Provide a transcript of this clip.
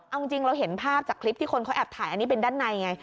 เอาจริงเราเห็นภาพจากคลิปที่คนเขาแอบถ่ายอันนี้เป็นด้านในไง